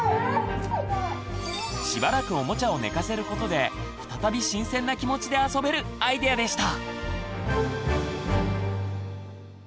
しばらくおもちゃを寝かせることで再び新鮮な気持ちで遊べるアイデアでした！